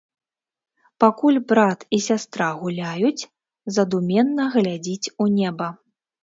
Пакуль брат і сястра гуляюць, задуменна глядзіць у неба.